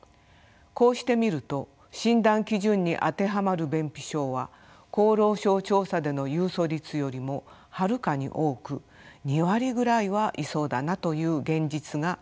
こうしてみると診断基準に当てはまる便秘症は厚労省調査での有訴率よりもはるかに多く２割ぐらいはいそうだなという現実が浮かび上がってきます。